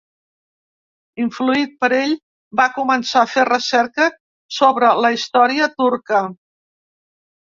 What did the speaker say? Influït per ell, va començar a fer recerca sobre la història turca.